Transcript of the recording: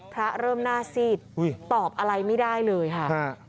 พระเริ่มนาศีรตอบอะไรไม่ได้เลยค่ะ